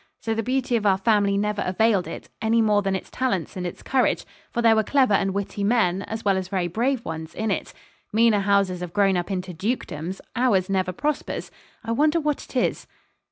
So the beauty of our family never availed it, any more than its talents and its courage; for there were clever and witty men, as well as very brave ones, in it. Meaner houses have grown up into dukedoms; ours never prospers. I wonder what it is.'